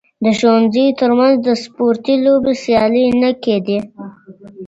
د ښوونځیو ترمنځ د سپورتي لوبو سیالۍ نه کيدې.